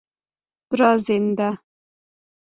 دراځینده